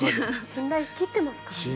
信頼しきってますからね。